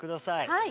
はい。